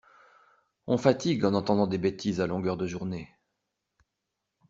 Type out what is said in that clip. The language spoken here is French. On fatigue en entendant des bêtises à longueur de journée.